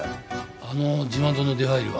あの地窓の出入りは？